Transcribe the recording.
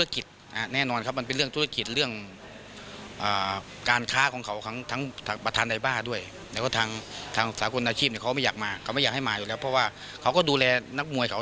เขาไม่อยากให้มาอยู่แล้วเพราะว่าเขาก็ดูแลนักมวยเขา